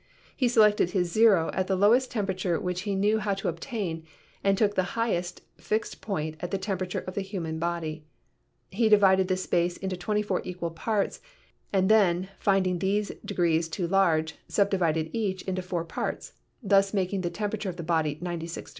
He selected his zero at the lowest temperature which he knew how to obtain and took the highest fixed point at the temperature of the human body. He divided this space into twenty four equal parts and then, finding these de grees too large, subdivided each into four parts, thus making the temperature of the body 96 .